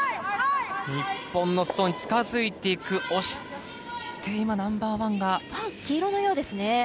日本のストーンに近づいていく押して、今ナンバーワンが黄色のようですね。